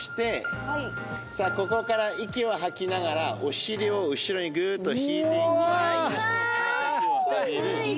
ここから息を吐きながらお尻を後ろにぐーっと引いていきます。